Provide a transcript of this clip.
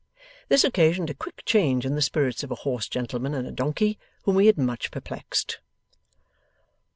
This occasioned a quick change in the spirits of a hoarse gentleman and a donkey, whom he had much perplexed.